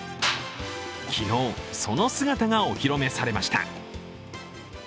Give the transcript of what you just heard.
昨日、その姿がお披露目されました。